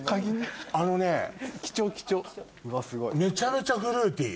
あのねめちゃめちゃフルーティー。